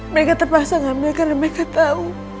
mereka terpaksa ngamel karena mereka tahu